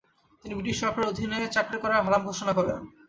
তিনি ব্রিটিশ সরকারের অধীনে চাকরি করা হারাম ঘোষণা করেন।